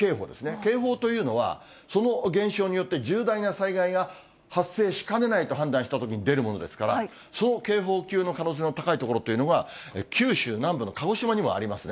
警報というのはその現象によって、重大な災害が発生しかねないと判断したときに出るものですから、その警報級の可能性の高い所っていうのは、九州南部の鹿児島にもありますね。